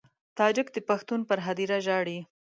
تاجک د پښتون پر هدیره ژاړي.